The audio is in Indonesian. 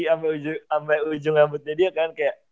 sampe ujung rambutnya dia kan kayak